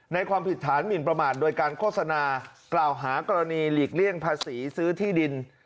ความผิดฐานหมินประมาทโดยการโฆษณากล่าวหากรณีหลีกเลี่ยงภาษีซื้อที่ดิน